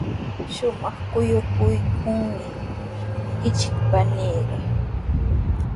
Shumaq kuyakuqmi ichik paniiqa.